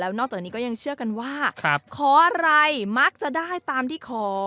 นอกจากนี้ก็ยังเชื่อกันว่าขออะไรมักจะได้ตามที่ขอ